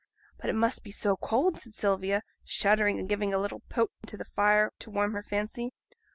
'But it must be so cold,' said Sylvia, shuddering and giving a little poke to the fire to warm her fancy.